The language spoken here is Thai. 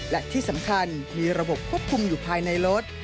และที่สำคัญมีระบบควบคุมอยู่ภายในรถ